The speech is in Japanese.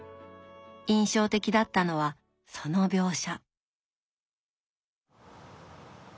印象的だったのはその描写。